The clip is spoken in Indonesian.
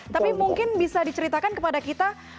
tapi mungkin bisa diceritakan kepada kita